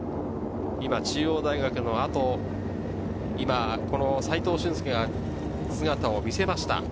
今、中央大学のあと、斎藤俊輔が姿を見せました。